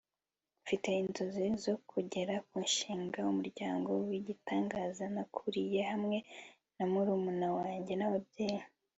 mfite inzozi zo kongera gushinga umuryango w'igitangaza nakuriye hamwe na murumuna wanjye n'ababyeyi